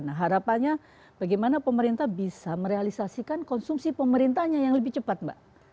nah harapannya bagaimana pemerintah bisa merealisasikan konsumsi pemerintahnya yang lebih cepat mbak